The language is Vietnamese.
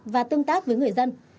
và tương tác với người dân